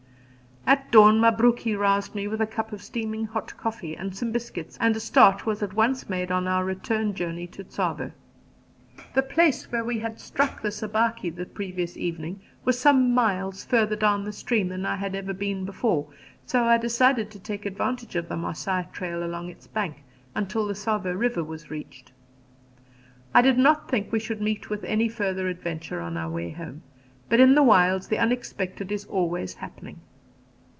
At dawn Mabruki roused me with a cup of steaming hot coffee and some biscuits, and a start was at once made on our return journey to Tsavo. The place where we had struck the Sabaki the previous evening was some miles further down the stream than I had ever been before, so I decided to take advantage of the Masai trail along its bank until the Tsavo River was reached. I did not think we should meet with any further adventure on our way home, but in the wilds the unexpected is always happening.